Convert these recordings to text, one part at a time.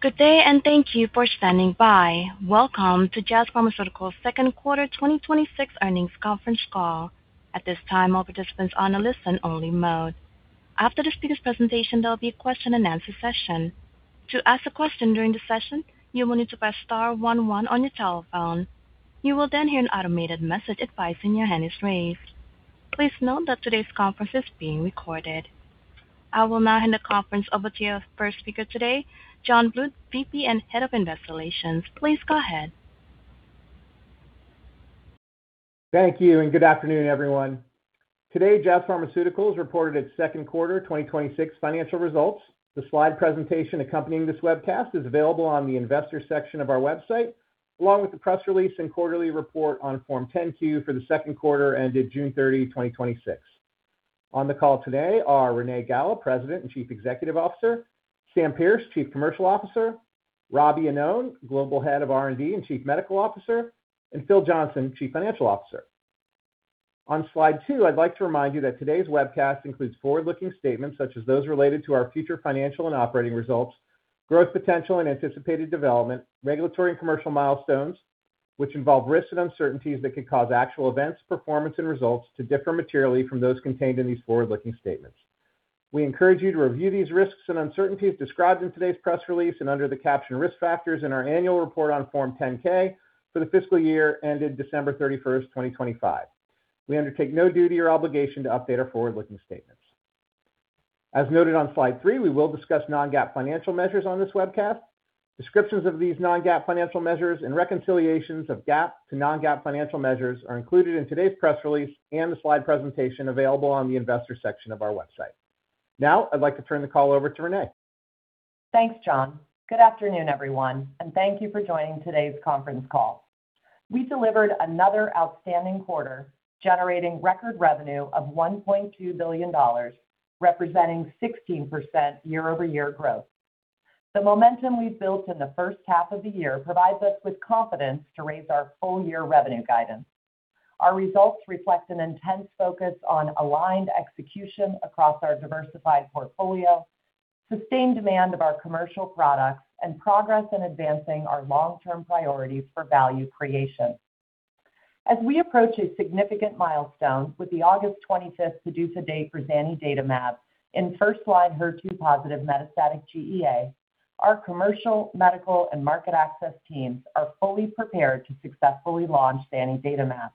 Good day, and thank you for standing by. Welcome to Jazz Pharmaceuticals' second quarter 2026 earnings conference call. At this time, all participants are on a listen only mode. After the speaker's presentation, there will be a question and answer session. To ask a question during the session, you will need to press star one one on your telephone. You will hear an automated message advising your hand is raised. Please note that today's conference is being recorded. I will now hand the conference over to your first speaker today, John Bluth, VP and Head of Investor Relations. Please go ahead. Thank you, and good afternoon, everyone. Today, Jazz Pharmaceuticals reported its second quarter 2026 financial results. The slide presentation accompanying this webcast is available on the Investors section of our website, along with the press release and quarterly report on Form 10-Q for the second quarter ended June 30, 2026. On the call today are Renée Galá, President and Chief Executive Officer; Sam Pearce, Chief Commercial Officer; Rob Iannone, Global Head of R&D and Chief Medical Officer; and Phil Johnson, Chief Financial Officer. On slide two, I'd like to remind you that today's webcast includes forward-looking statements such as those related to our future financial and operating results, growth, potential, and anticipated development, regulatory and commercial milestones, which involve risks and uncertainties that could cause actual events, performance, and results to differ materially from those contained in these forward-looking statements. We encourage you to review these risks and uncertainties described in today's press release and under the caption Risk Factors in our annual report on Form 10-K for the fiscal year ended December 31st, 2025. We undertake no duty or obligation to update our forward-looking statements. As noted on slide three, we will discuss non-GAAP financial measures on this webcast. Descriptions of these non-GAAP financial measures and reconciliations of GAAP to non-GAAP financial measures are included in today's press release and the slide presentation available on the Investors section of our website. I'd like to turn the call over to Renée. Thanks, John. Good afternoon, everyone, and thank you for joining today's conference call. We delivered another outstanding quarter, generating record revenue of $1.2 billion, representing 16% year-over-year growth. The momentum we've built in the first half of the year provides us with confidence to raise our full-year revenue guidance. Our results reflect an intense focus on aligned execution across our diversified portfolio, sustained demand of our commercial products, and progress in advancing our long-term priorities for value creation. As we approach a significant milestone with the August 25th PDUFA date for zanidatamab in first-line HER2-positive metastatic GEA, our commercial, medical, and market access teams are fully prepared to successfully launch zanidatamab.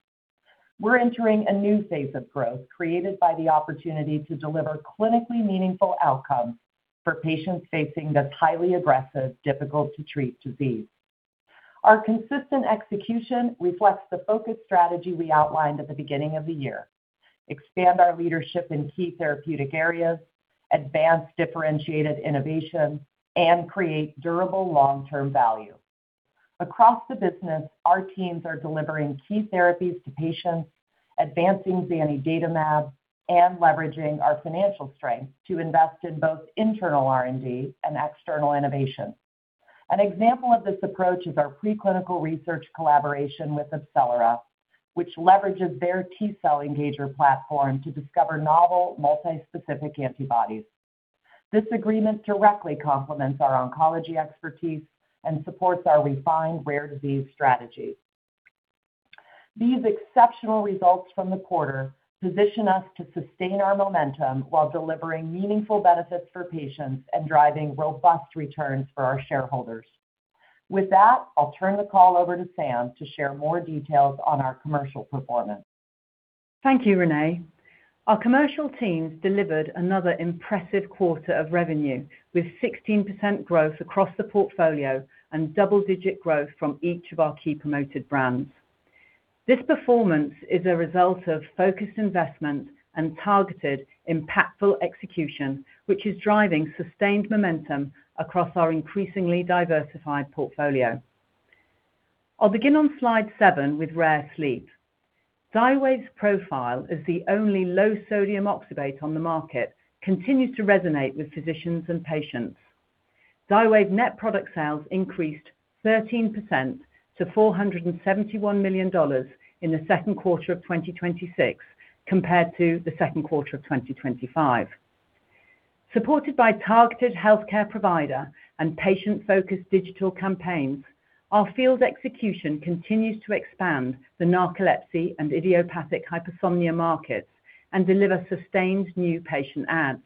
We're entering a new phase of growth created by the opportunity to deliver clinically meaningful outcomes for patients facing this highly aggressive, difficult to treat disease. Our consistent execution reflects the focus strategy we outlined at the beginning of the year. Expand our leadership in key therapeutic areas, advance differentiated innovation, and create durable long-term value. Across the business, our teams are delivering key therapies to patients, advancing zanidatamab, and leveraging our financial strength to invest in both internal R&D and external innovation. An example of this approach is our preclinical research collaboration with AbCellera, which leverages their T-cell engager platform to discover novel multi-specific antibodies. This agreement directly complements our oncology expertise and supports our refined rare disease strategy. These exceptional results from the quarter position us to sustain our momentum while delivering meaningful benefits for patients and driving robust returns for our shareholders. With that, I'll turn the call over to Sam to share more details on our commercial performance. Thank you, Renée. Our commercial teams delivered another impressive quarter of revenue, with 16% growth across the portfolio and double-digit growth from each of our key promoted brands. This performance is a result of focused investment and targeted, impactful execution, which is driving sustained momentum across our increasingly diversified portfolio. I'll begin on slide seven with rare sleep. XYWAV's profile as the only low-sodium oxybate on the market continues to resonate with physicians and patients. XYWAV net product sales increased 13% to $471 million in the second quarter of 2026 compared to the second quarter of 2025. Supported by targeted healthcare provider and patient-focused digital campaigns, our field execution continues to expand the narcolepsy and idiopathic hypersomnia markets and deliver sustained new patient adds.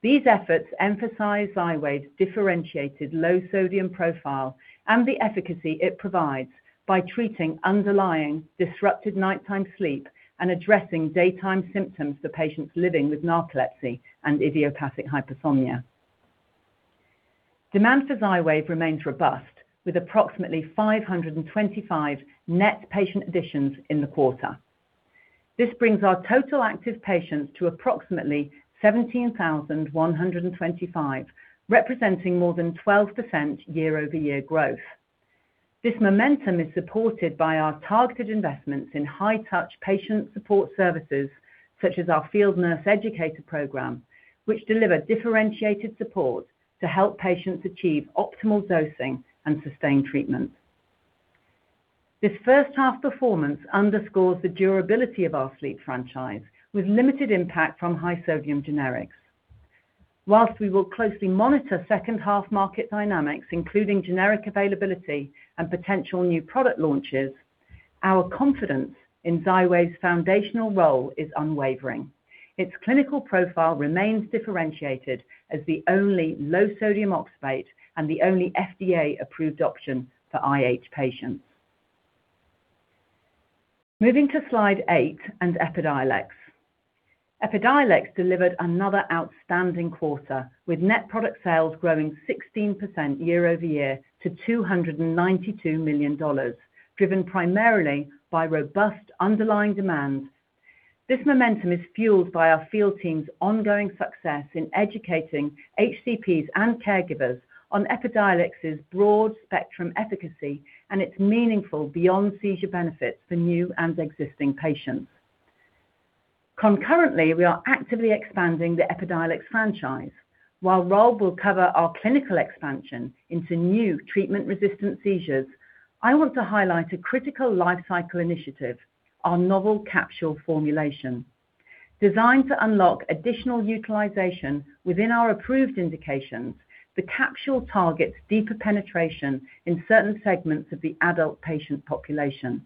These efforts emphasize XYWAV's differentiated low-sodium profile and the efficacy it provides by treating underlying disrupted nighttime sleep and addressing daytime symptoms for patients living with narcolepsy and idiopathic hypersomnia. Demand for XYWAV remains robust, with approximately 525 net patient additions in the quarter. This brings our total active patients to approximately 17,125, representing more than 12% year-over-year growth. This momentum is supported by our targeted investments in high-touch patient support services such as our field nurse educator program, which deliver differentiated support to help patients achieve optimal dosing and sustained treatment. This first-half performance underscores the durability of our sleep franchise, with limited impact from high-sodium generics. Whilst we will closely monitor second-half market dynamics, including generic availability and potential new product launches, our confidence in XYWAV's foundational role is unwavering. Its clinical profile remains differentiated as the only low-sodium oxybate and the only FDA-approved option for IH patients. Moving to slide eight and Epidiolex. Epidiolex delivered another outstanding quarter, with net product sales growing 16% year-over-year to $292 million, driven primarily by robust underlying demand. This momentum is fueled by our field team's ongoing success in educating HCPs and caregivers on Epidiolex's broad-spectrum efficacy and its meaningful beyond-seizure benefits for new and existing patients. Concurrently, we are actively expanding the Epidiolex franchise. While Rob will cover our clinical expansion into new treatment-resistant seizures, I want to highlight a critical lifecycle initiative, our novel capsule formulation. Designed to unlock additional utilization within our approved indications, the capsule targets deeper penetration in certain segments of the adult patient population.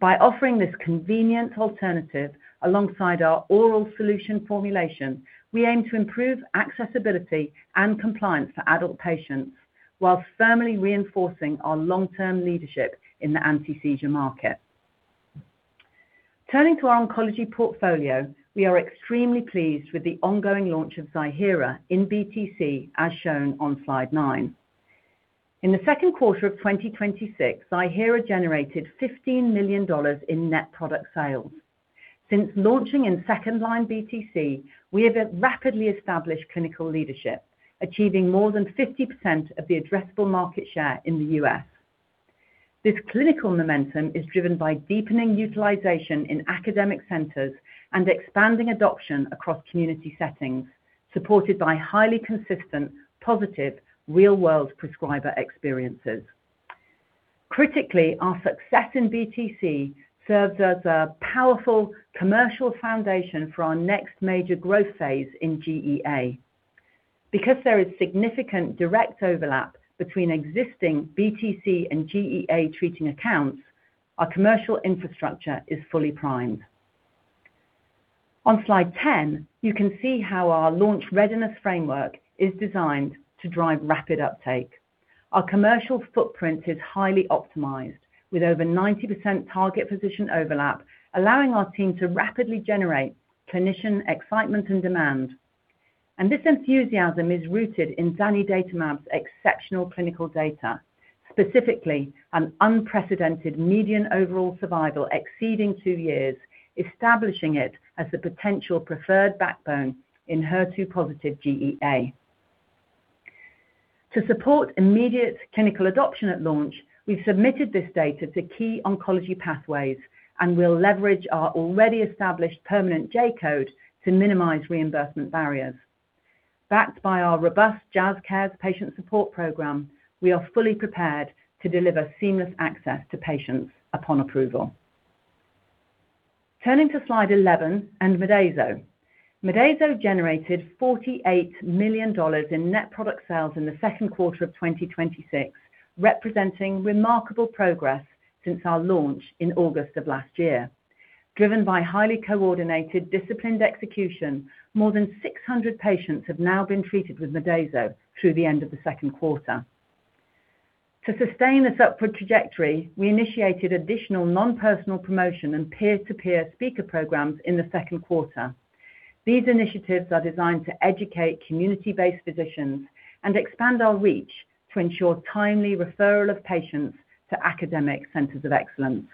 By offering this convenient alternative alongside our oral solution formulation, we aim to improve accessibility and compliance for adult patients while firmly reinforcing our long-term leadership in the anti-seizure market. Turning to our oncology portfolio. We are extremely pleased with the ongoing launch of Ziihera in BTC, as shown on slide nine. In the second quarter of 2026, Ziihera generated $15 million in net product sales. Since launching in second-line BTC, we have rapidly established clinical leadership, achieving more than 50% of the addressable market share in the U.S. This clinical momentum is driven by deepening utilization in academic centers and expanding adoption across community settings, supported by highly consistent, positive real-world prescriber experiences. Critically, our success in BTC serves as a powerful commercial foundation for our next major growth phase in GEA. Because there is significant direct overlap between existing BTC and GEA treating accounts, our commercial infrastructure is fully primed. On slide 10, you can see how our launch readiness framework is designed to drive rapid uptake. Our commercial footprint is highly optimized, with over 90% target physician overlap, allowing our team to rapidly generate clinician excitement and demand. This enthusiasm is rooted in zanidatamab's exceptional clinical data, specifically an unprecedented median overall survival exceeding two years, establishing it as the potential preferred backbone in HER2-positive GEA. To support immediate clinical adoption at launch, we've submitted this data to key oncology pathways and will leverage our already established permanent J-code to minimize reimbursement barriers. Backed by our robust JazzCares patient support program, we are fully prepared to deliver seamless access to patients upon approval. Turning to slide 11 and Modeyso. Modeyso generated $48 million in net product sales in the second quarter of 2026, representing remarkable progress since our launch in August of last year. Driven by highly coordinated, disciplined execution, more than 600 patients have now been treated with Modeyso through the end of the second quarter. To sustain this upward trajectory, we initiated additional non-personal promotion and peer-to-peer speaker programs in the second quarter. These initiatives are designed to educate community-based physicians and expand our reach to ensure timely referral of patients to academic centers of excellence.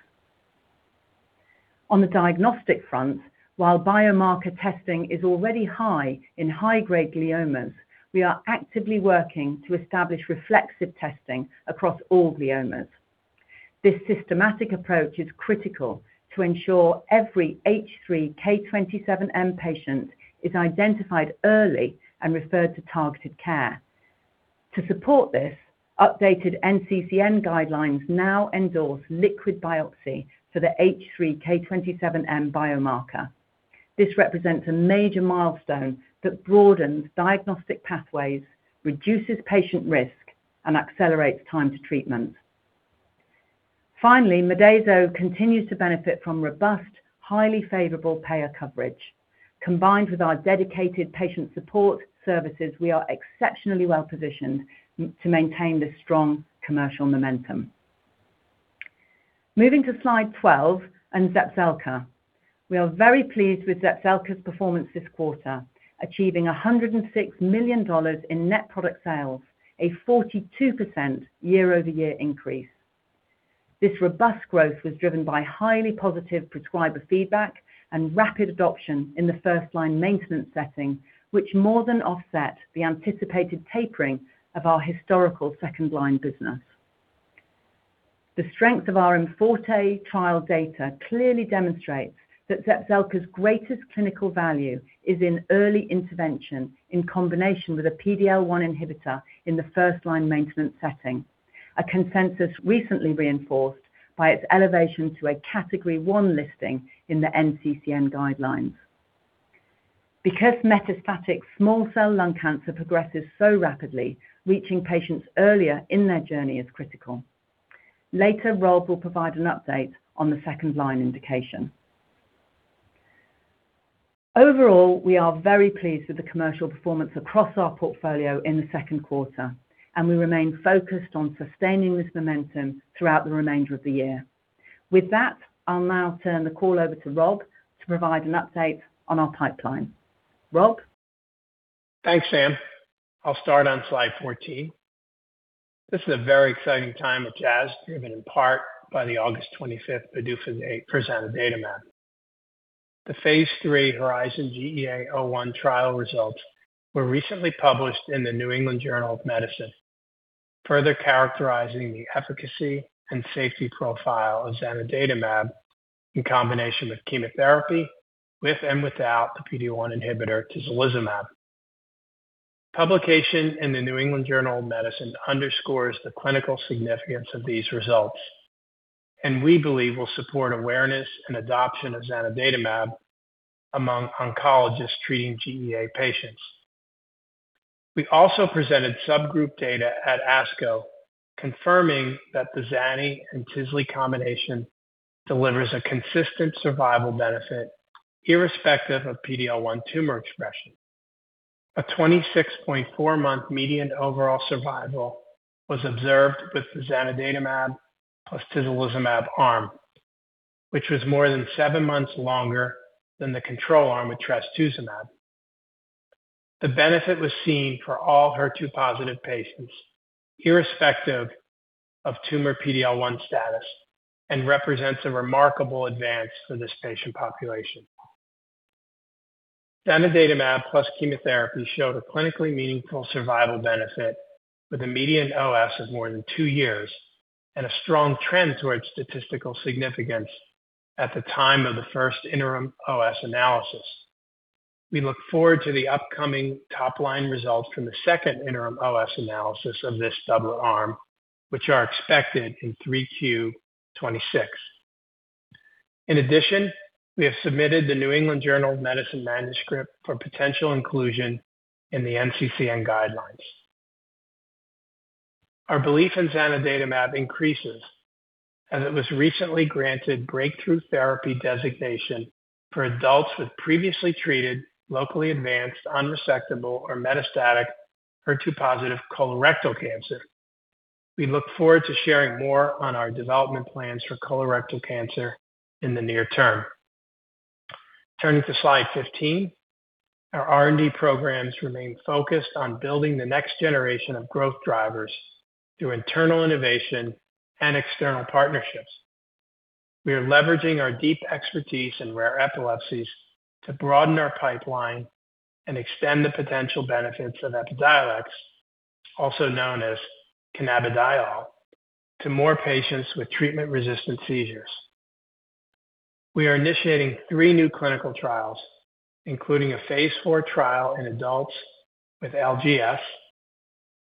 On the diagnostic front, while biomarker testing is already high in high-grade gliomas, we are actively working to establish reflexive testing across all gliomas. This systematic approach is critical to ensure every H3K27M patient is identified early and referred to targeted care. To support this, updated NCCN guidelines now endorse liquid biopsy for the H3K27M biomarker. This represents a major milestone that broadens diagnostic pathways, reduces patient risk, and accelerates time to treatment. Finally, Modeyso continues to benefit from robust, highly favorable payer coverage. Combined with our dedicated patient support services, we are exceptionally well-positioned to maintain this strong commercial momentum. Moving to slide 12 and Zepzelca. We are very pleased with Zepzelca's performance this quarter, achieving $106 million in net product sales, a 42% year-over-year increase. This robust growth was driven by highly positive prescriber feedback and rapid adoption in the first-line maintenance setting, which more than offset the anticipated tapering of our historical second-line business. The strength of our IMforte trial data clearly demonstrates that Zepzelca's greatest clinical value is in early intervention in combination with a PD-L1 inhibitor in the first-line maintenance setting, a consensus recently reinforced by its elevation to a Category 1 listing in the NCCN guidelines. Because metastatic small cell lung cancer progresses so rapidly, reaching patients earlier in their journey is critical. Later, Rob will provide an update on the second-line indication. Overall, we are very pleased with the commercial performance across our portfolio in the second quarter, and we remain focused on sustaining this momentum throughout the remainder of the year. With that, I'll now turn the call over to Rob to provide an update on our pipeline. Rob? Thanks, Sam. I'll start on slide 14. This is a very exciting time at Jazz, driven in part by the August 25th zanidatamab data map. The phase III HERIZON-GEA-01 trial results were recently published in The New England Journal of Medicine, further characterizing the efficacy and safety profile of zanidatamab in combination with chemotherapy, with and without the PD-L1 inhibitor tislelizumab. Publication in The New England Journal of Medicine underscores the clinical significance of these results and we believe will support awareness and adoption of zanidatamab among oncologists treating GEA patients. We also presented subgroup data at ASCO confirming that the zani and tisle combination delivers a consistent survival benefit irrespective of PD-L1 tumor expression. A 26.4-month median overall survival was observed with the zanidatamab plus tislelizumab arm, which was more than seven months longer than the control arm with trastuzumab. The benefit was seen for all HER2-positive patients, irrespective of tumor PD-L1 status, and represents a remarkable advance for this patient population. zanidatamab plus chemotherapy showed a clinically meaningful survival benefit with a median OS of more than two years and a strong trend towards statistical significance at the time of the first interim OS analysis. We look forward to the upcoming top-line results from the second interim OS analysis of this double arm, which are expected in 3Q 2026. In addition, we have submitted The New England Journal of Medicine manuscript for potential inclusion in the NCCN guidelines. Our belief in zanidatamab increases as it was recently granted Breakthrough Therapy Designation for adults with previously treated locally advanced, unresectable, or metastatic HER2-positive colorectal cancer. We look forward to sharing more on our development plans for colorectal cancer in the near term. Turning to slide 15. Our R&D programs remain focused on building the next generation of growth drivers through internal innovation and external partnerships. We are leveraging our deep expertise in rare epilepsies to broaden our pipeline and extend the potential benefits of Epidiolex, also known as cannabidiol, to more patients with treatment-resistant seizures. We are initiating three new clinical trials, including a phase IV trial in adults with LGS,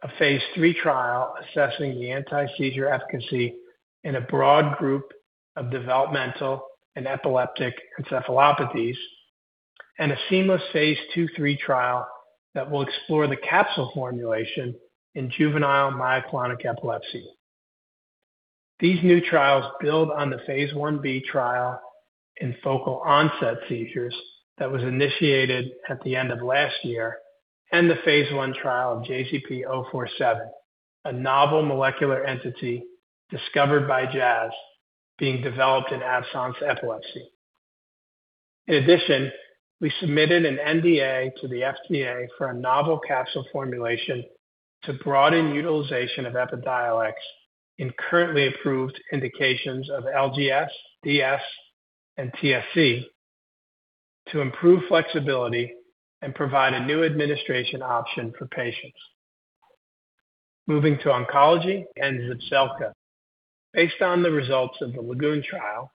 a phase III trial assessing the anti-seizure efficacy in a broad group of developmental and epileptic encephalopathies, and a seamless phase II-III trial that will explore the capsule formulation in juvenile myoclonic epilepsy. These new trials build on the phase I-B trial in focal onset seizures that was initiated at the end of last year, and the phase I trial of JZP047, a novel molecular entity discovered by Jazz being developed in absence epilepsy. In addition, we submitted an NDA to the FDA for a novel capsule formulation to broaden utilization of Epidiolex in currently approved indications of LGS, DS, and TSC to improve flexibility and provide a new administration option for patients. Moving to oncology and Zepzelca. Based on the results of the LAGOON trial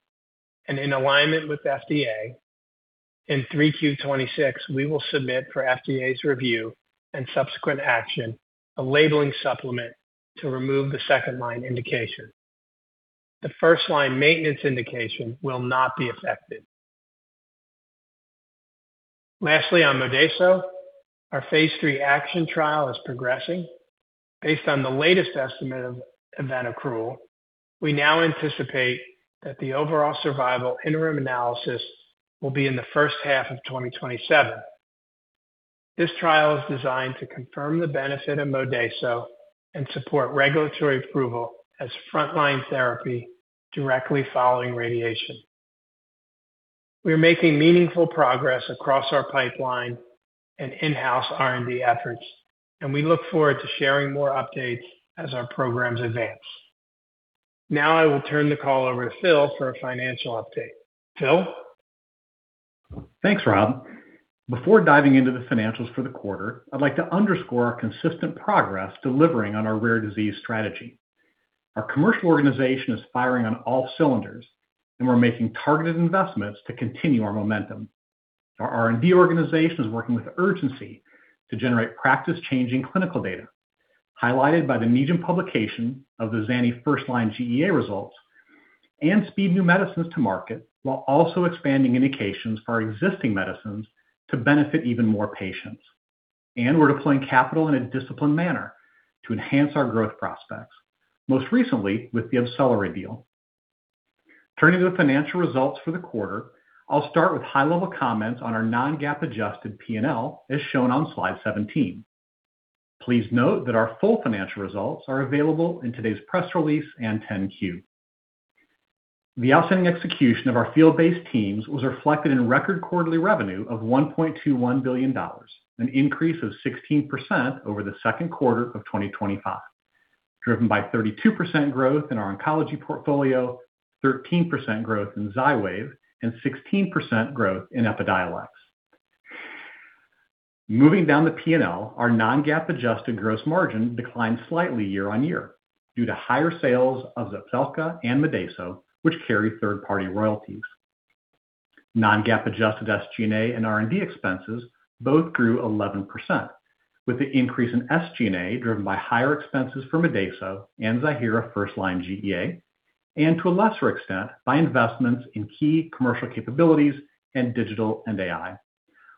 and in alignment with FDA, in 3Q 2026, we will submit for FDA's review and subsequent action a labeling supplement to remove the second-line indication. The first-line maintenance indication will not be affected. Lastly, on Modeyso, our phase III ACTION trial is progressing. Based on the latest estimate of event accrual, we now anticipate that the overall survival interim analysis will be in the first half of 2027. This trial is designed to confirm the benefit of Modeyso and support regulatory approval as a frontline therapy directly following radiation. We are making meaningful progress across our pipeline and in-house R&D efforts, and we look forward to sharing more updates as our programs advance. Now I will turn the call over to Phil for a financial update. Phil? Thanks, Rob. Before diving into the financials for the quarter, I'd like to underscore our consistent progress delivering on our rare disease strategy. Our commercial organization is firing on all cylinders, and we're making targeted investments to continue our momentum. Our R&D organization is working with urgency to generate practice-changing clinical data Highlighted by the NEJM publication of the zanidatamab first-line GEA results, and speed new medicines to market while also expanding indications for our existing medicines to benefit even more patients. And we're deploying capital in a disciplined manner to enhance our growth prospects, most recently with the AbCellera deal. Turning to the financial results for the quarter, I'll start with high-level comments on our non-GAAP adjusted P&L, as shown on slide 17. Please note that our full financial results are available in today's press release and 10-Q. The outstanding execution of our field-based teams was reflected in record quarterly revenue of $1.21 billion, an increase of 16% over the second quarter of 2025, driven by 32% growth in our oncology portfolio, 13% growth in XYWAV, and 16% growth in Epidiolex. Moving down the P&L, our non-GAAP adjusted gross margin declined slightly year-on-year due to higher sales of Zepzelca and Modeyso, which carry third-party royalties. Non-GAAP adjusted SG&A and R&D expenses both grew 11%, with the increase in SG&A driven by higher expenses for Modeyso and Ziihera first-line GEA, and to a lesser extent, by investments in key commercial capabilities in digital and AI.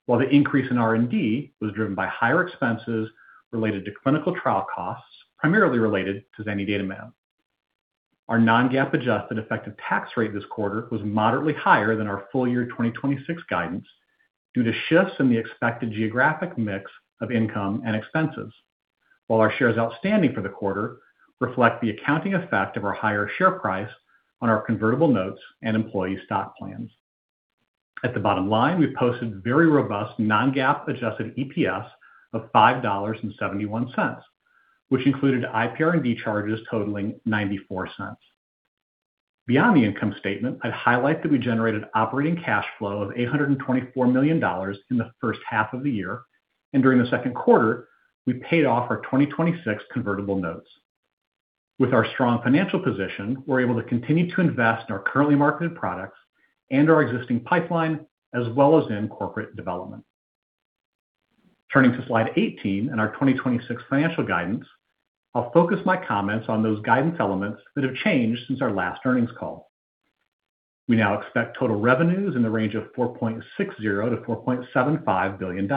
While the increase in R&D was driven by higher expenses related to clinical trial costs, primarily related to zanidatamab. Our non-GAAP adjusted effective tax rate this quarter was moderately higher than our full-year 2026 guidance due to shifts in the expected geographic mix of income and expenses. Our shares outstanding for the quarter reflect the accounting effect of our higher share price on our convertible notes and employee stock plans. At the bottom line, we posted very robust non-GAAP adjusted EPS of $5.71, which included IPR&D charges totaling $0.94. Beyond the income statement, I'd highlight that we generated operating cash flow of $824 million in the first half of the year. During the second quarter, we paid off our 2026 convertible notes. With our strong financial position, we're able to continue to invest in our currently marketed products and our existing pipeline, as well as in corporate development. Turning to slide 18 and our 2026 financial guidance, I'll focus my comments on those guidance elements that have changed since our last earnings call. We now expect total revenues in the range of $4.60 billion-$4.75 billion.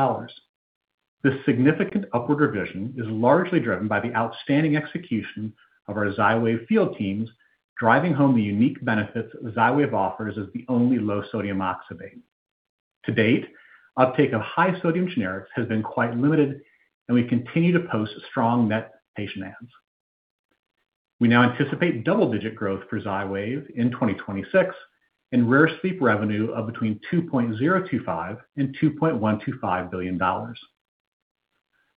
This significant upward revision is largely driven by the outstanding execution of our XYWAV field teams, driving home the unique benefits that XYWAV offers as the only low-sodium oxybate. To date, uptake of high-sodium generics has been quite limited. We continue to post strong net patient adds. We now anticipate double-digit growth for XYWAV in 2026 and rare sleep revenue of between $2.025 billion-$2.125 billion.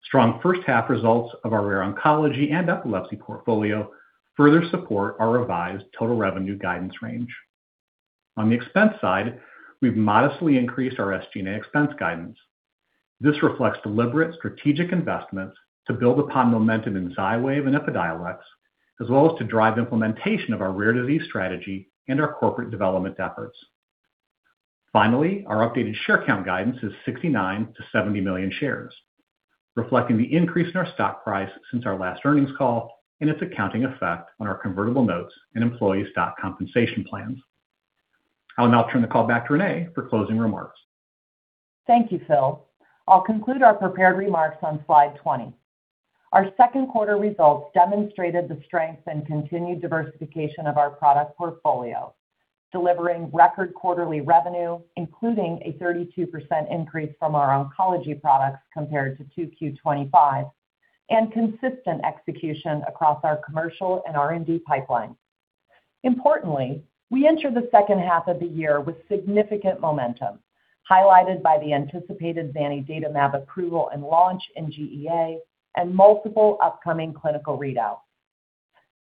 Strong first half results of our rare oncology and epilepsy portfolio further support our revised total revenue guidance range. On the expense side, we've modestly increased our SG&A expense guidance. This reflects deliberate strategic investments to build upon momentum in XYWAV and Epidiolex, as well as to drive implementation of our rare disease strategy and our corporate development efforts. Finally, our updated share count guidance is 69 million-70 million shares, reflecting the increase in our stock price since our last earnings call and its accounting effect on our convertible notes and employee stock compensation plans. I'll now turn the call back to Renée for closing remarks. Thank you, Phil. I'll conclude our prepared remarks on slide 20. Our second quarter results demonstrated the strength and continued diversification of our product portfolio, delivering record quarterly revenue, including a 32% increase from our oncology products compared to 2Q 2025. Consistent execution across our commercial and R&D pipeline. Importantly, we enter the second half of the year with significant momentum, highlighted by the anticipated zanidatamab approval and launch in GEA. Multiple upcoming clinical readouts.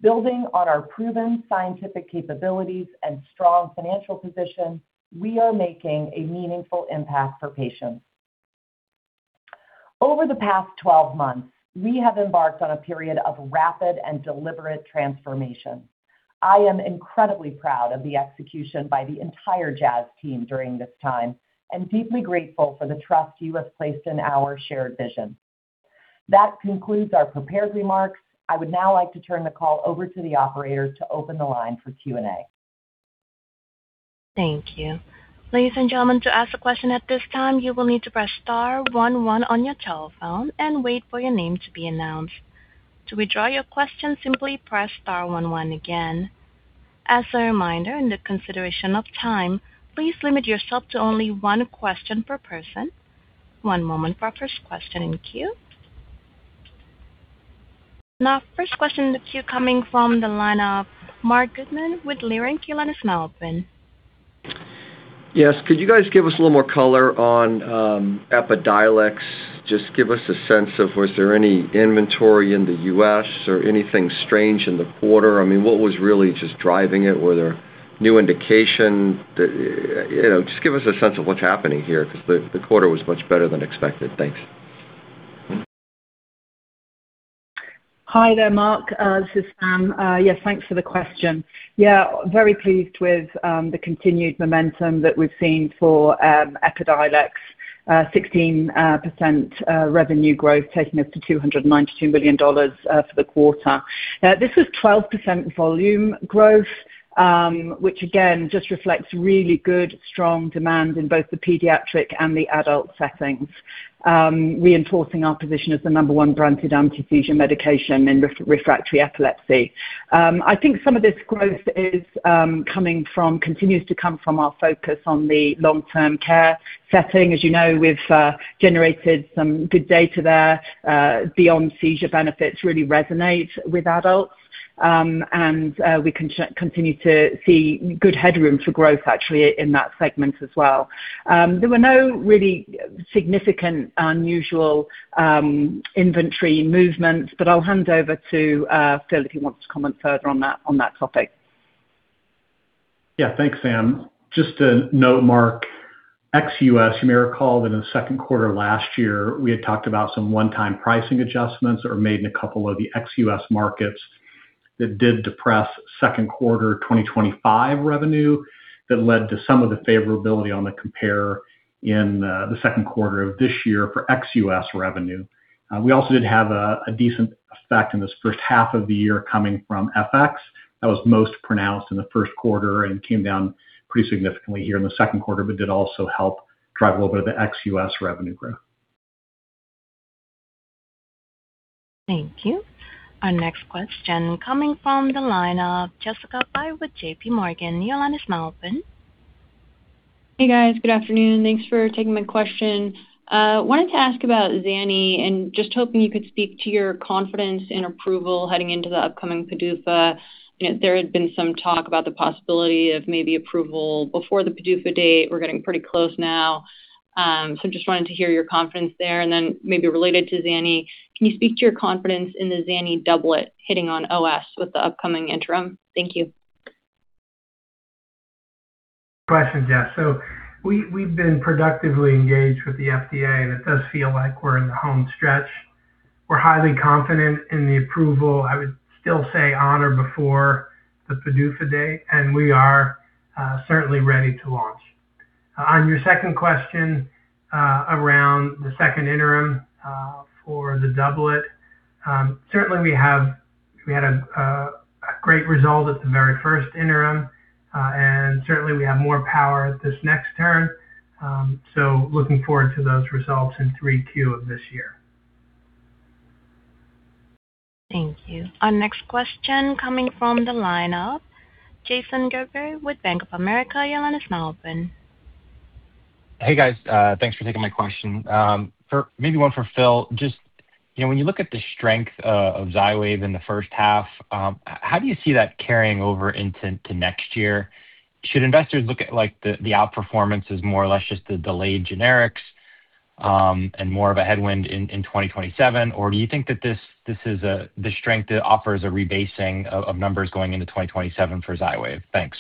Building on our proven scientific capabilities and strong financial position, we are making a meaningful impact for patients. Over the past 12 months, we have embarked on a period of rapid and deliberate transformation. I am incredibly proud of the execution by the entire Jazz team during this time and deeply grateful for the trust you have placed in our shared vision. That concludes our prepared remarks. I would now like to turn the call over to the operator to open the line for Q&A. Thank you. Ladies and gentlemen, to ask a question at this time, you will need to press star one one on your telephone and wait for your name to be announced. To withdraw your question, simply press star one one again. As a reminder, in the consideration of time, please limit yourself to only one question per person. One moment for our first question in queue. First question in the queue coming from the line of Marc Goodman with Leerink. Your line is now open. Yes. Could you guys give us a little more color on Epidiolex? Just give us a sense of, was there any inventory in the U.S. or anything strange in the quarter? What was really just driving it? Were there new indications? Just give us a sense of what's happening here, because the quarter was much better than expected. Thanks. Hi there, Marc. This is Sam. Yes, thanks for the question. Yeah, very pleased with the continued momentum that we've seen for Epidiolex. 16% revenue growth, taking us to $292 million for the quarter. This was 12% volume growth, which again, just reflects really good, strong demand in both the pediatric and the adult settings, reinforcing our position as the number one branded anti-seizure medication in refractory epilepsy. I think some of this growth continues to come from our focus on the long-term care setting. As you know, we've generated some good data there. Beyond seizure benefits really resonate with adults. We continue to see good headroom for growth, actually, in that segment as well. There were no really significant unusual inventory movements, but I'll hand over to Phil if he wants to comment further on that topic. Yeah. Thanks, Sam. Just to note, Marc, ex-U.S., you may recall that in the second quarter last year, we had talked about some one-time pricing adjustments that were made in a couple of the ex-U.S. markets that did depress second quarter 2025 revenue. That led to some of the favorability on the compare in the second quarter of this year for ex-U.S. revenue. We also did have a decent effect in this first half of the year coming from FX that was most pronounced in the first quarter and came down pretty significantly here in the second quarter, but did also help drive a little bit of the ex-U.S. revenue growth. Thank you. Our next question coming from the line of Jessica Fye with JPMorgan. Your line is now open. Hey, guys. Good afternoon. Thanks for taking my question. Wanted to ask about zani and just hoping you could speak to your confidence in approval heading into the upcoming PDUFA. There had been some talk about the possibility of maybe approval before the PDUFA date. We're getting pretty close now. Just wanted to hear your confidence there. Maybe related to zani, can you speak to your confidence in the zani doublet hitting on OS with the upcoming interim? Thank you. Questions, yes. We've been productively engaged with the FDA. That does feel like we're in the home stretch. We're highly confident in the approval. I would still say on or before the PDUFA date, and we are certainly ready to launch. On your second question around the second interim for the doublet. Certainly we had a great result at the very first interim, and certainly we have more power at this next turn. Looking forward to those results in 3Q of this year. Thank you. Our next question coming from the lineup. Jason Gerberry with Bank of America. Your line is now open. Hey, guys. Thanks for taking my question. Maybe one for Phil. Just when you look at the strength of XYWAV in the first half, how do you see that carrying over into next year? Should investors look at the outperformance as more or less just the delayed generics, and more of a headwind in 2027? Or do you think that the strength offers a rebasing of numbers going into 2027 for XYWAV? Thanks.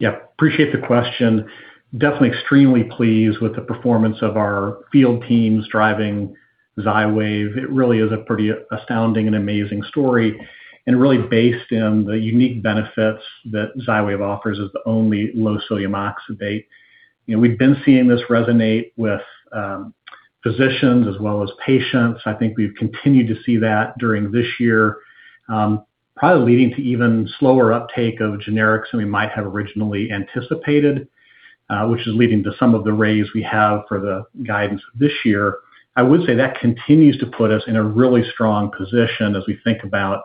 Yep. Appreciate the question. Definitely extremely pleased with the performance of our field teams driving XYWAV. It really is a pretty astounding and amazing story, and really based in the unique benefits that XYWAV offers as the only low sodium oxybate. We've been seeing this resonate with physicians as well as patients. I think we've continued to see that during this year, probably leading to even slower uptake of generics than we might have originally anticipated, which is leading to some of the raise we have for the guidance this year. I would say that continues to put us in a really strong position as we think about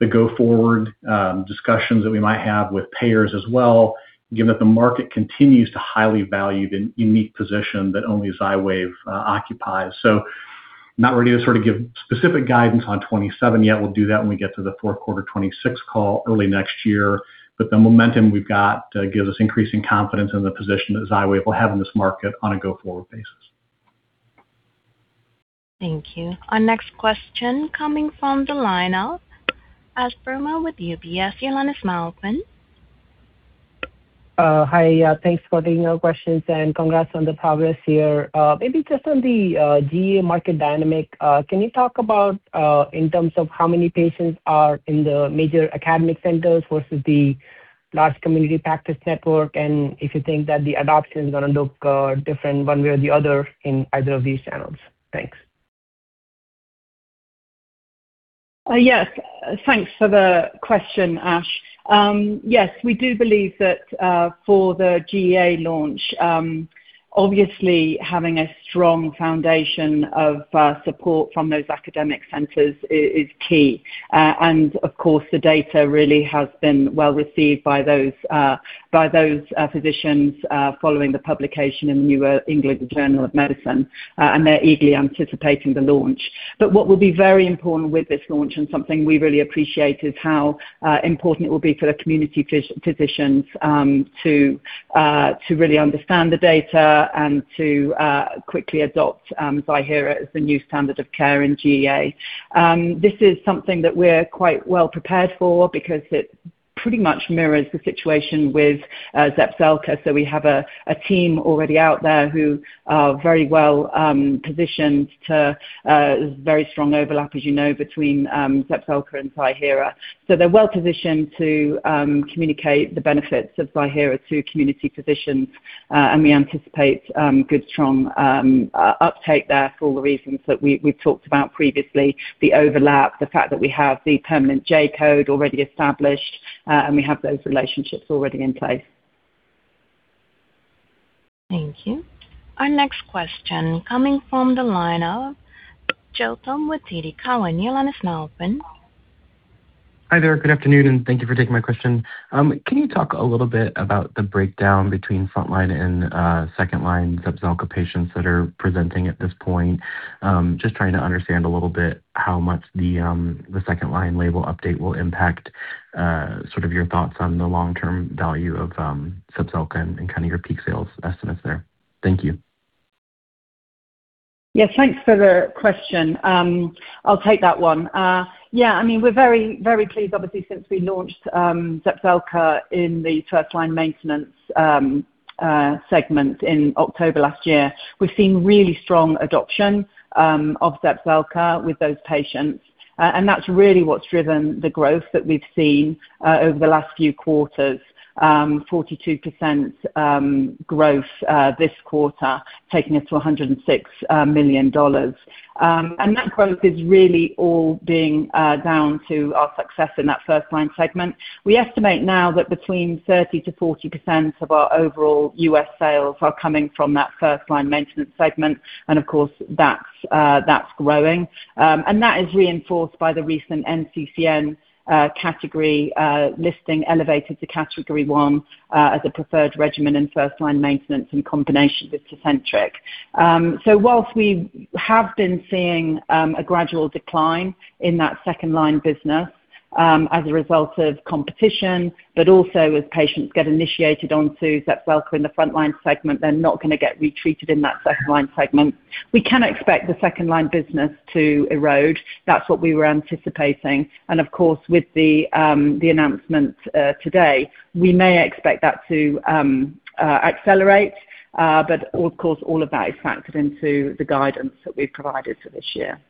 the go-forward discussions that we might have with payers as well, given that the market continues to highly value the unique position that only XYWAV occupies. I'm not ready to give specific guidance on 2027 yet. We'll do that when we get to the fourth quarter 2026 call early next year. The momentum we've got gives us increasing confidence in the position that XYWAV will have in this market on a go-forward basis. Thank you. Our next question coming from the line of Ash Verma with UBS. Your line is now open. Hi. Thanks for taking our questions and congrats on the progress here. Maybe just on the GEA market dynamic. Can you talk about, in terms of how many patients are in the major academic centers versus the large community practice network, and if you think that the adoption is going to look different one way or the other in either of these channels? Thanks. Yes. Thanks for the question, Ash. Yes. We do believe that for the GEA launch, obviously having a strong foundation of support from those academic centers is key. Of course, the data really has been well received by those physicians following the publication in the New England Journal of Medicine. They're eagerly anticipating the launch. What will be very important with this launch, and something we really appreciate, is how important it will be for the community physicians to really understand the data and to quickly adopt Ziihera as the new standard of care in GEA. This is something that we're quite well prepared for because it pretty much mirrors the situation with Zepzelca. We have a team already out there who are very well positioned. There's very strong overlap, as you know, between Zepzelca and Ziihera. They're well-positioned to communicate the benefits of Ziihera to community physicians. We anticipate good, strong uptake there for all the reasons that we've talked about previously. The overlap, the fact that we have the permanent J-code already established, and we have those relationships already in place. Thank you. Our next question coming from the line of Joe Thome with TD Cowen. Your line is now open. Hi there. Good afternoon, and thank you for taking my question. Can you talk a little bit about the breakdown between front-line and second-line Zepzelca patients that are presenting at this point? Just trying to understand a little bit how much the second-line label update will impact sort of your thoughts on the long-term value of Zepzelca and kind of your peak sales estimates there. Thank you. Yes, thanks for the question. I'll take that one. We're very pleased, obviously, since we launched Zepzelca in the first-line maintenance segment in October last year. We've seen really strong adoption of Zepzelca with those patients. That's really what's driven the growth that we've seen over the last few quarters. 42% growth this quarter, taking us to $106 million. That growth is really all being down to our success in that first-line segment. We estimate now that between 30%-40% of our overall U.S. sales are coming from that first-line maintenance segment. Of course, that's growing. That is reinforced by the recent NCCN category listing elevated to Category 1 as a preferred regimen in first-line maintenance in combination with Tecentriq. Whilst we have been seeing a gradual decline in that second-line business as a result of competition, also as patients get initiated onto Zepzelca in the front-line segment, they're not going to get retreated in that second-line segment. We can expect the second-line business to erode. That's what we were anticipating. Of course, with the announcement today, we may expect that to accelerate. Of course, all of that is factored into the guidance that we've provided for this year.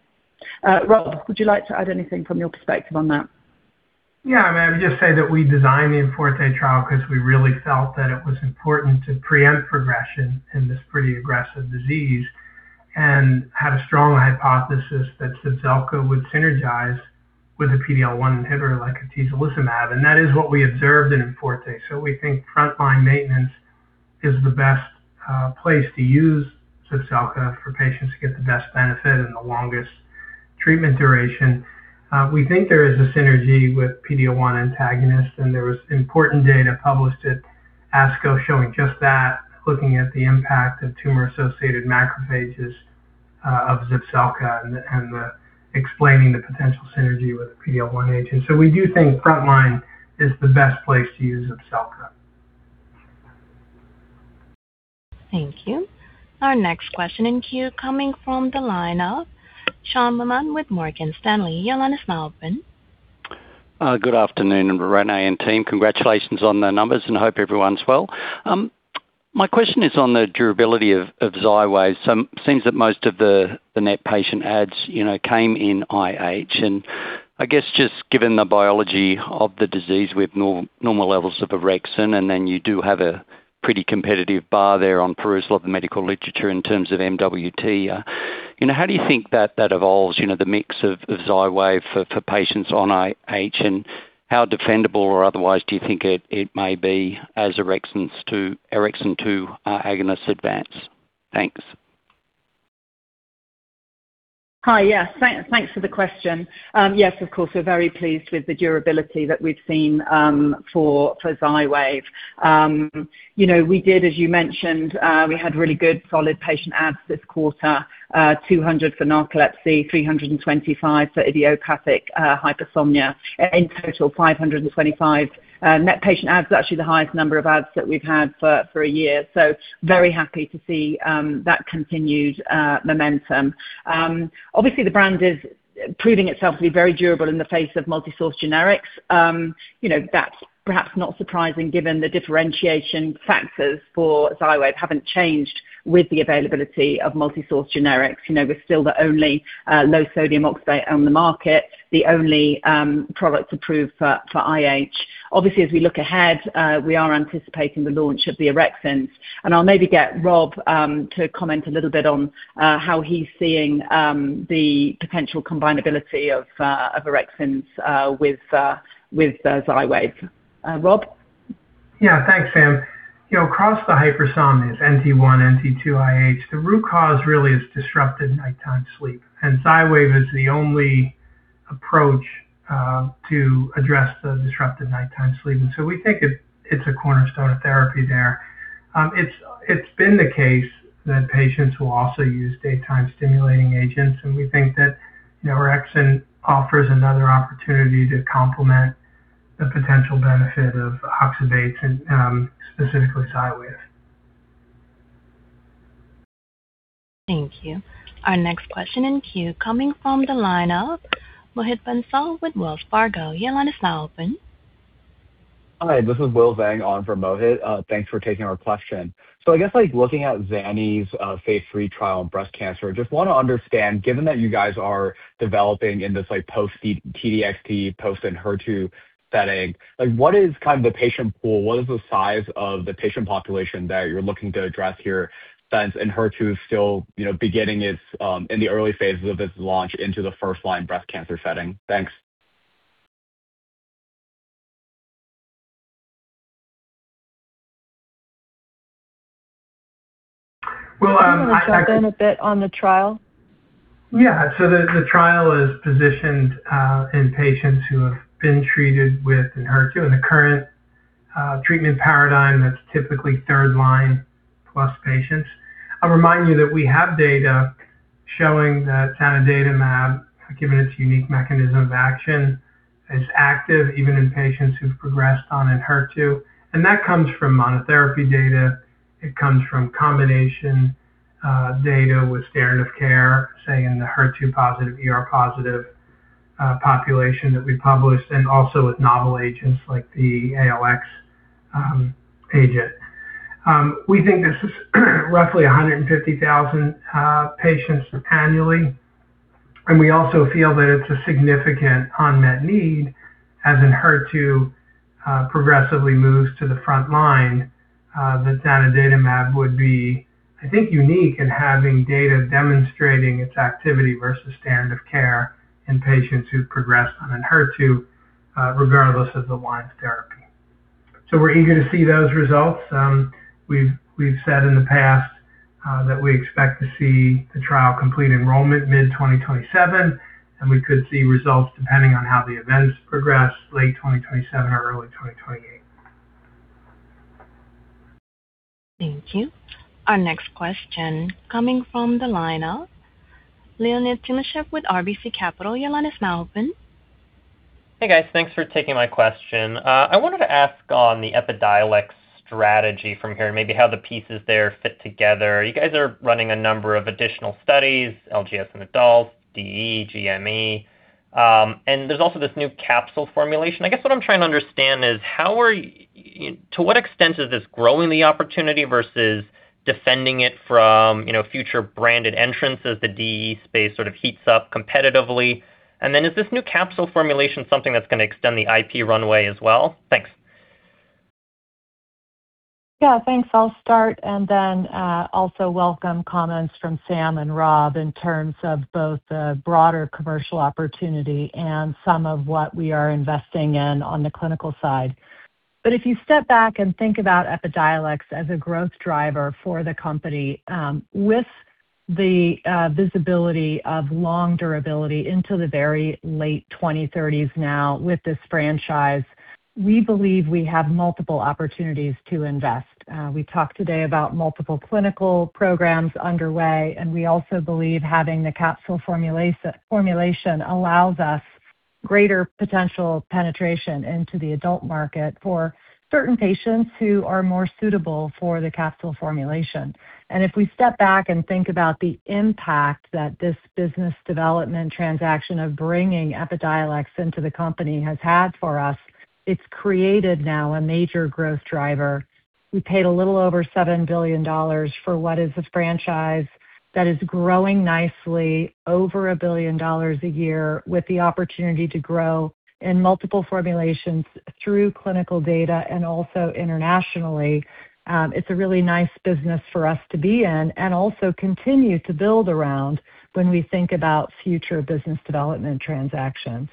Rob, would you like to add anything from your perspective on that? I mean, I would just say that we designed the IMforte trial because we really felt that it was important to preempt progression in this pretty aggressive disease. Had a strong hypothesis that Zepzelca would synergize with a PD-L1 inhibitor like atezolizumab, and that is what we observed in IMforte. We think front-line maintenance is the best place to use Zepzelca for patients to get the best benefit and the longest treatment duration. We think there is a synergy with PD-L1 antagonists, and there was important data published at ASCO showing just that. Looking at the impact of tumor-associated macrophages of Zepzelca and explaining the potential synergy with a PD-L1 agent. We do think front line is the best place to use Zepzelca. Thank you. Our next question in queue coming from the line of Sean Laaman with Morgan Stanley. Your line is now open. Good afternoon, Renée and team. Congratulations on the numbers, and hope everyone's well. My question is on the durability of XYWAV. It seems that most of the net patient adds came in IH. I guess just given the biology of the disease with normal levels of orexin, and then you do have a pretty competitive bar there on perusal in the medical literature in terms of MWT. How do you think that evolves, the mix of XYWAV for patients on IH and how defendable or otherwise do you think it may be as orexins to agonists advance? Thanks. Hi. Yes. Thanks for the question. Yes, of course, we're very pleased with the durability that we've seen for XYWAV. We did, as you mentioned, we had really good solid patient adds this quarter. 200 for narcolepsy, 325 for idiopathic hypersomnia. In total, 525 net patient adds. Actually, the highest number of adds that we've had for a year. Very happy to see that continued momentum. Obviously, the brand is proving itself to be very durable in the face of multi-source generics. That's perhaps not surprising given the differentiation factors for XYWAV haven't changed with the availability of multi-source generics. We're still the only low sodium oxybate on the market, the only product approved for IH. Obviously, as we look ahead, we are anticipating the launch of the orexins. I'll maybe get Rob to comment a little bit on how he's seeing the potential combinability of orexins with XYWAV. Rob? Yeah. Thanks, Sam. Across the hypersomnias NT1, NT2, IH, the root cause really is disrupted nighttime sleep. XYWAV is the only approach to address the disrupted nighttime sleep. We think it's a cornerstone of therapy there. It's been the case that patients will also use daytime stimulating agents, and we think that orexin offers another opportunity to complement the potential benefit of oxybate and specifically XYWAV. Thank you. Our next question in queue, coming from the line of Mohit Bansal with Wells Fargo. Your line is now open. Hi, this is Will Zhang on for Mohit. Thanks for taking our question. I guess looking at zani's phase III trial in breast cancer, just want to understand, given that you guys are developing in this post-T-DXd, post-Enhertu setting, what is the patient pool? What is the size of the patient population that you're looking to address here? Since Enhertu is still beginning in the early phases of its launch into the first-line breast cancer setting. Thanks. Do you want to jump in a bit on the trial? Yeah. The trial is positioned in patients who have been treated with Enhertu. In the current treatment paradigm, that's typically third-line plus patients. I'll remind you that we have data showing that zanidatamab, given its unique mechanism of action, is active even in patients who've progressed on Enhertu. That comes from monotherapy data. It comes from combination data with standard of care, say, in the HER2-positive, ER-positive population that we published, also with novel agents like the ALX agent. We think this is roughly 150,000 patients annually. We also feel that it's a significant unmet need as Enhertu progressively moves to the front line, that zanidatamab would be, I think, unique in having data demonstrating its activity versus standard of care in patients who've progressed on Enhertu, regardless of the line of therapy. We're eager to see those results. We've said in the past that we expect to see the trial complete enrollment mid-2027, we could see results, depending on how the events progress, late 2027 or early 2028. Thank you. Our next question coming from the line of Leonid Timashev with RBC Capital. Your line is now open. Hey, guys. Thanks for taking my question. I wanted to ask on the Epidiolex strategy from here, and maybe how the pieces there fit together. You guys are running a number of additional studies, LGS in adults, DE, JME. I guess what I'm trying to understand is, to what extent is this growing the opportunity versus defending it from future branded entrants as the DE space sort of heats up competitively? Is this new capsule formulation something that's going to extend the IP runway as well? Thanks. Yeah, thanks. I'll start and then also welcome comments from Sam and Rob in terms of both the broader commercial opportunity and some of what we are investing in on the clinical side. But if you step back and think about Epidiolex as a growth driver for the company with the visibility of long durability into the very late 2030s now with this franchise, we believe we have multiple opportunities to invest. We talked today about multiple clinical programs underway, and we also believe having the capsule formulation allows us greater potential penetration into the adult market for certain patients who are more suitable for the capsule formulation. And if we step back and think about the impact that this business development transaction of bringing Epidiolex into the company has had for us, it's created now a major growth driver. We paid a little over $7 billion for what is a franchise that is growing nicely, over $1 billion a year, with the opportunity to grow in multiple formulations through clinical data and also internationally. It's a really nice business for us to be in and also continue to build around when we think about future business development transactions.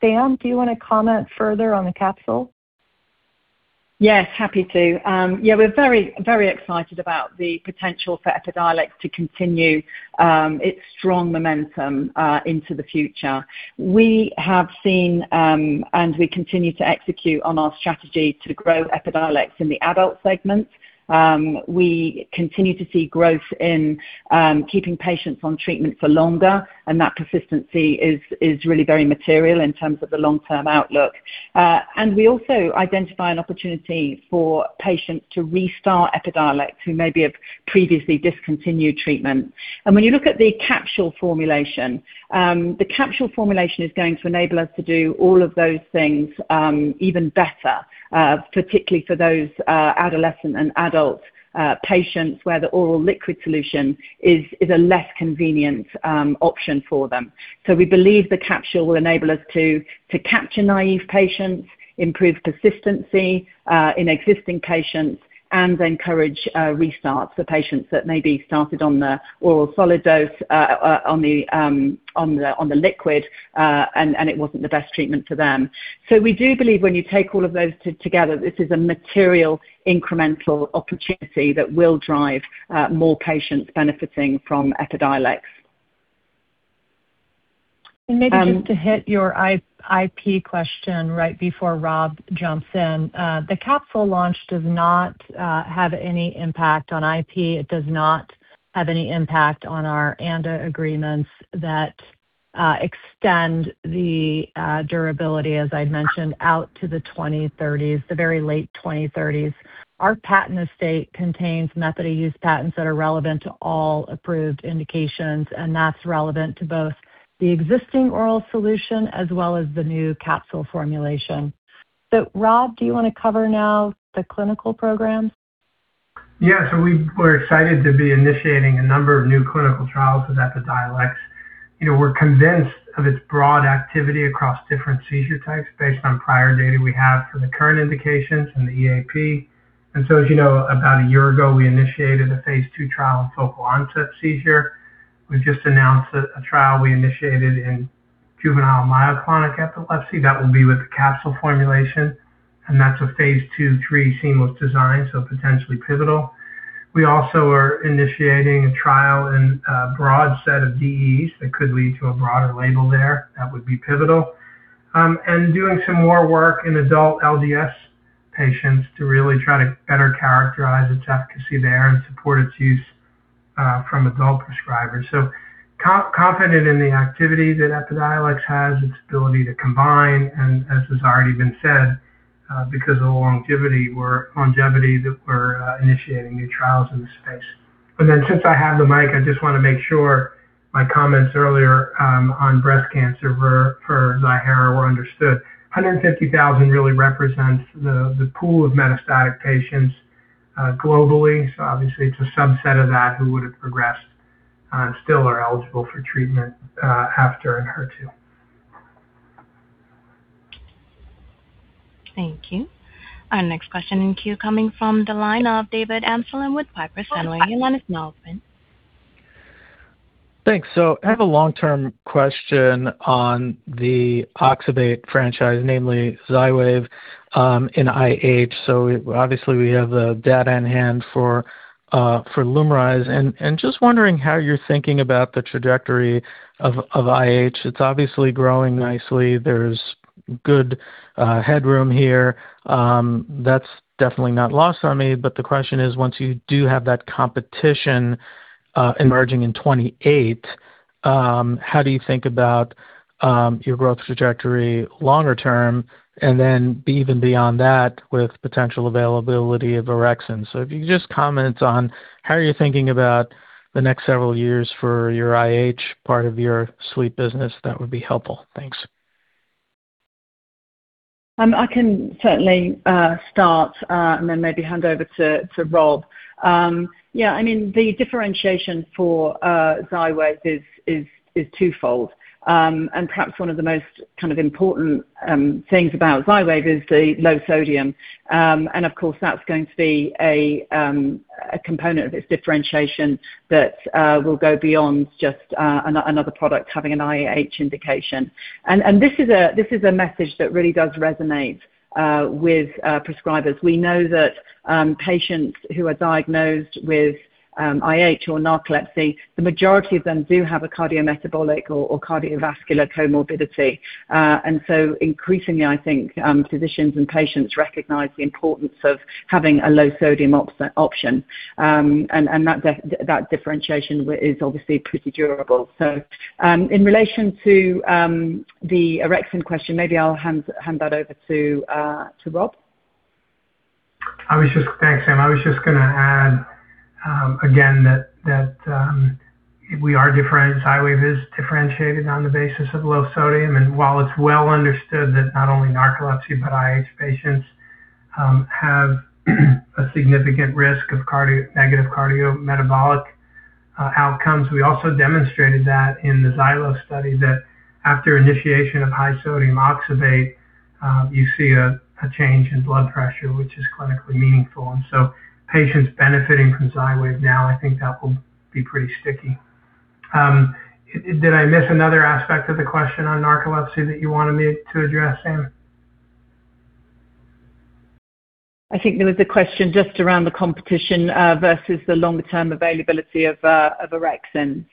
Sam, do you want to comment further on the capsule? Yes, happy to. We're very excited about the potential for Epidiolex to continue its strong momentum into the future. We have seen, we continue to execute on our strategy to grow Epidiolex in the adult segment. We continue to see growth in keeping patients on treatment for longer, and that persistency is really very material in terms of the long-term outlook. We also identify an opportunity for patients to restart Epidiolex who maybe have previously discontinued treatment. When you look at the capsule formulation, the capsule formulation is going to enable us to do all of those things even better, particularly for those adolescent and adult patients, where the oral liquid solution is a less convenient option for them. We believe the capsule will enable us to capture naive patients, improve persistency in existing patients, and encourage restarts for patients that maybe started on the oral solid dose on the liquid, and it wasn't the best treatment for them. We do believe when you take all of those together, this is a material incremental opportunity that will drive more patients benefiting from Epidiolex. Maybe just to hit your IP question right before Rob jumps in. The capsule launch does not have any impact on IP. It does not have any impact on our ANDA agreements that extend the durability, as I'd mentioned, out to the 2030s, the very late 2030s. Our patent estate contains method of use patents that are relevant to all approved indications, and that's relevant to both the existing oral solution as well as the new capsule formulation. Rob, do you want to cover now the clinical programs? Yeah. We're excited to be initiating a number of new clinical trials with Epidiolex. We're convinced of its broad activity across different seizure types based on prior data we have for the current indications and the EAP. As you know, about a year ago, we initiated a phase II trial in focal onset seizure. We just announced a trial we initiated in juvenile myoclonic epilepsy. That will be with the capsule formulation, and that's a phase II-III seamless design, so potentially pivotal. We also are initiating a trial in a broad set of DEs that could lead to a broader label there. That would be pivotal. Doing some more work in adult LGS patients to really try to better characterize its efficacy there and support its use from adult prescribers. Confident in the activity that Epidiolex has, its ability to combine, and as has already been said, because of the longevity that we're initiating new trials in the space. Since I have the mic, I just want to make sure my comments earlier on breast cancer for Ziihera were understood. 150,000 really represents the pool of metastatic patients globally. Obviously it's a subset of that who would have progressed and still are eligible for treatment after an HER2. Thank you. Our next question in queue coming from the line of David Amsellem with Piper Sandler. Your line is now open. Thanks. I have a long-term question on the oxybate franchise, namely XYWAV in IH. Obviously we have the data in hand for Lumryz, and just wondering how you're thinking about the trajectory of IH. It's obviously growing nicely. There's good headroom here. That's definitely not lost on me. The question is, once you do have that competition emerging in 2028, how do you think about your growth trajectory longer term and then even beyond that with potential availability of orexin? If you could just comment on how you're thinking about the next several years for your IH part of your sleep business, that would be helpful. Thanks. I can certainly start and then maybe hand over to Rob. Yeah, the differentiation for XYWAV is twofold. Perhaps one of the most kind of important things about XYWAV is the low sodium. Of course, that's going to be a component of its differentiation that will go beyond just another product having an IH indication. This is a message that really does resonate with prescribers. We know that patients who are diagnosed with IH or narcolepsy, the majority of them do have a cardiometabolic or cardiovascular comorbidity. Increasingly, I think physicians and patients recognize the importance of having a low sodium option. That differentiation is obviously pretty durable. In relation to the orexin question, maybe I'll hand that over to Rob. Thanks, Sam. I was just going to add, again, that XYWAV is differentiated on the basis of low sodium. While it's well understood that not only narcolepsy, but IH patients have a significant risk of negative cardiometabolic outcomes. We also demonstrated that in the XYWAV study that after initiation of high sodium oxybate, you see a change in blood pressure, which is clinically meaningful. Patients benefiting from XYWAV now, I think that will be pretty sticky. Did I miss another aspect of the question on narcolepsy that you wanted me to address, Sam? I think there was a question just around the competition versus the longer-term availability of orexin.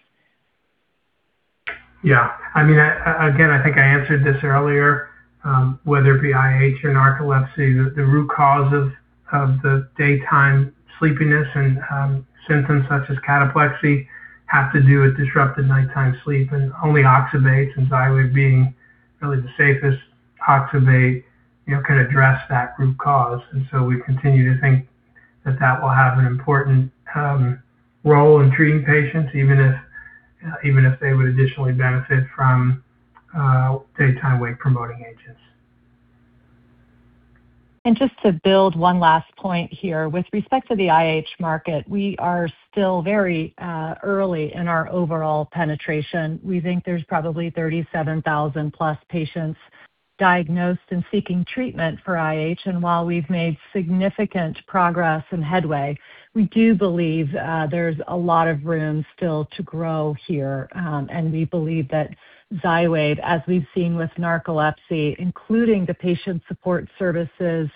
Yeah. Again, I think I answered this earlier. Whether it be IH or narcolepsy, the root cause of the daytime sleepiness and symptoms such as cataplexy have to do with disrupted nighttime sleep and only oxybate and XYWAV being really the safest oxybate, can address that root cause. We continue to think that that will have an important role in treating patients, even if they would additionally benefit from daytime wake-promoting agents. Just to build one last point here. With respect to the IH market, we are still very early in our overall penetration. We think there's probably 37,000+ patients diagnosed and seeking treatment for IH. While we've made significant progress and headway, we do believe there's a lot of room still to grow here. We believe that XYWAV, as we've seen with narcolepsy, including the patient support services,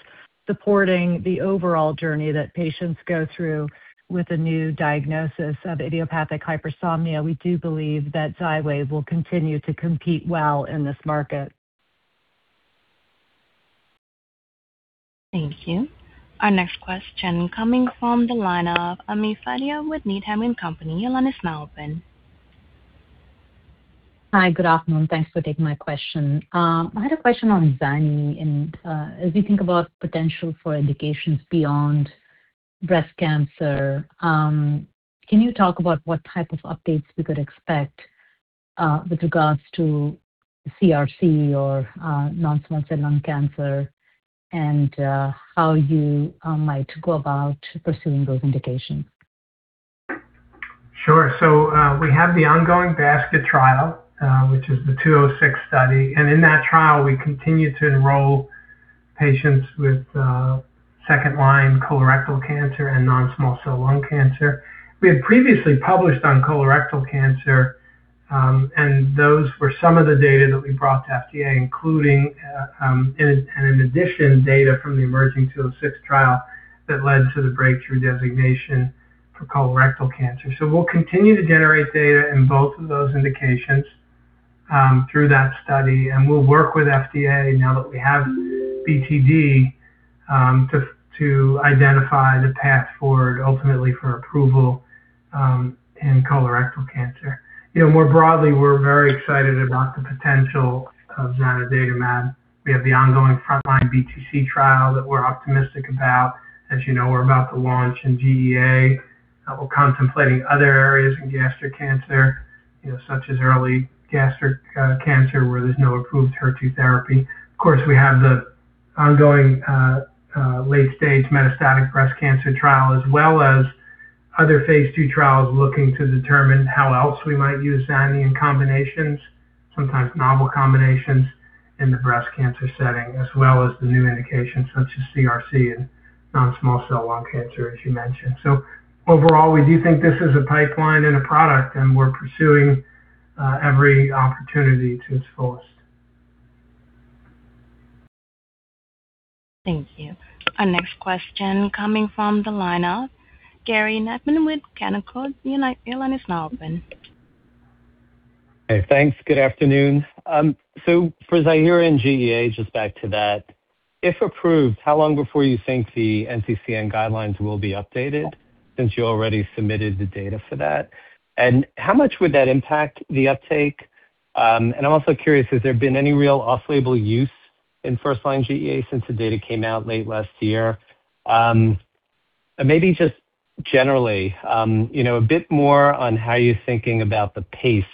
supporting the overall journey that patients go through with a new diagnosis of idiopathic hypersomnia. We do believe that XYWAV will continue to compete well in this market. Thank you. Our next question coming from the line of Ami Fadia with Needham & Company. Your line is now open. Hi. Good afternoon. Thanks for taking my question. I had a question on zani. As we think about potential for indications beyond breast cancer, can you talk about what type of updates we could expect with regards to CRC or non-small cell lung cancer and how you might go about pursuing those indications? Sure. We have the ongoing basket trial, which is the 206 study. In that trial, we continue to enroll patients with second-line colorectal cancer and non-small cell lung cancer. We had previously published on colorectal cancer, and those were some of the data that we brought to FDA, including, in addition, data from the emerging 206 trial that led to the breakthrough designation for colorectal cancer. We'll continue to generate data in both of those indications through that study. We'll work with FDA now that we have BTD to identify the path forward ultimately for approval in colorectal cancer. More broadly, we're very excited about the potential of zanidatamab. We have the ongoing frontline BTC trial that we're optimistic about. You know, we're about to launch in GEA. We're contemplating other areas in gastric cancer, such as early gastric cancer, where there's no approved HER2 therapy. Of course, we have the ongoing late-stage metastatic breast cancer trial, as well as other phase II trials looking to determine how else we might use zani in combinations, sometimes novel combinations in the breast cancer setting, as well as the new indications such as CRC and non-small cell lung cancer, as you mentioned. Overall, we do think this is a pipeline and a product, and we're pursuing every opportunity to its fullest. Thank you. Our next question coming from the line of Gary Nachman with Canaccord. Your line is now open. Hey, thanks. Good afternoon. For Ziihera and GEA, just back to that, if approved, how long before you think the NCCN guidelines will be updated since you already submitted the data for that? How much would that impact the uptake? I'm also curious, has there been any real off-label use in first-line GEA since the data came out late last year? Maybe just generally, a bit more on how you're thinking about the pace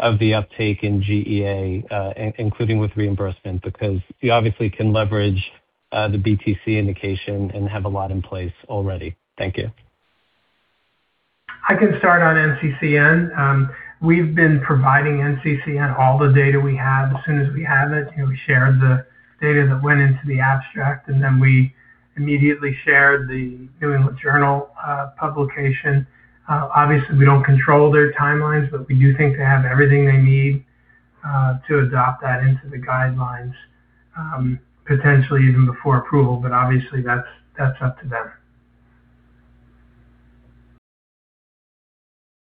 of the uptake in GEA, including with reimbursement, because you obviously can leverage the BTC indication and have a lot in place already. Thank you. I can start on NCCN. We've been providing NCCN all the data we have as soon as we have it. We shared the data that went into the abstract, and then we immediately shared the New England Journal publication. Obviously, we don't control their timelines, we do think they have everything they need to adopt that into the guidelines, potentially even before approval. Obviously, that's up to them.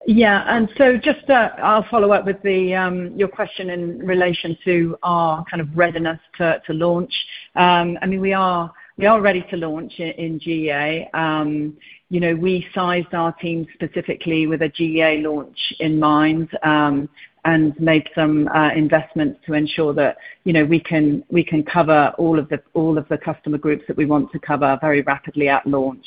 Yeah. Just I'll follow up with your question in relation to our kind of readiness to launch. We are ready to launch in GEA. We sized our team specifically with a GEA launch in mind, and made some investments to ensure that we can cover all of the customer groups that we want to cover very rapidly at launch.